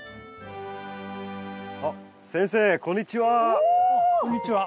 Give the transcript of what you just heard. あっ先生こんにちは。